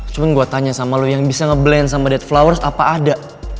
cuman gua tanya sama lu yang bisa ngeblend sama dead flowers apa ada